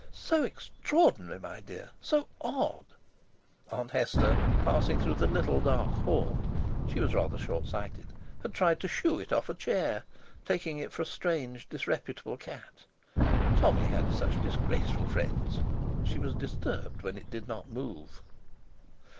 "So, extraordinary, my dear—so odd," Aunt Hester, passing through the little, dark hall (she was rather short sighted), had tried to "shoo" it off a chair, taking it for a strange, disreputable cat—Tommy had such disgraceful friends! She was disturbed when it did not move.